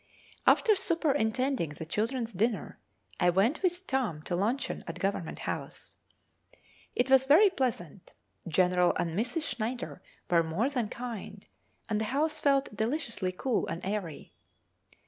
After superintending the children's dinner, I went with Tom to luncheon at Government House. It was very pleasant; General and Mrs. Schneider were more than kind, and the house felt deliciously cool and airy.